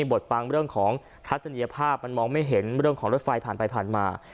บทปังเรื่องของทัศนียภาพมันมองไม่เห็นเรื่องของรถไฟผ่านไปผ่านมา